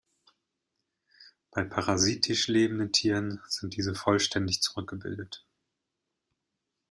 Bei parasitisch lebenden Tieren sind diese vollständig zurückgebildet.